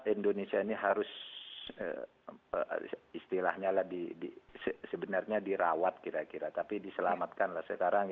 indonesia ini harus istilahnya lah sebenarnya dirawat kira kira tapi diselamatkan lah sekarang